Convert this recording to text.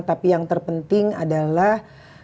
tapi yang terpenting adalah